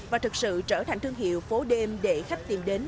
và thực sự trở thành thương hiệu phố đêm để khách tìm đến